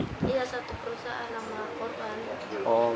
iya satu perusahaan sama korban